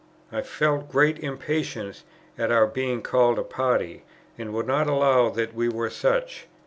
I felt great impatience at our being called a party, and would not allow that we were such.